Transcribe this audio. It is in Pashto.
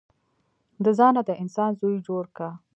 د ځانه د انسان زوی جوړ که.